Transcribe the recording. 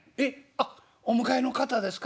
あっお迎えの方ですか。